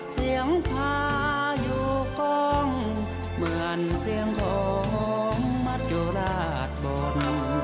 เสียงพายุก้งเหมือนเสียงโธงมัดอยู่ราดบน